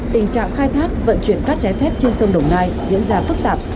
tình trạng khai thác vận chuyển cát trái phép trên sông đồng nai diễn ra phức tạp